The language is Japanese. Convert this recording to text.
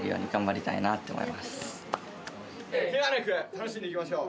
楽しんでいきましょう。